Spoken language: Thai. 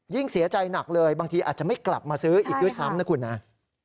เสียใจหนักเลยบางทีอาจจะไม่กลับมาซื้ออีกด้วยซ้ำนะคุณนะ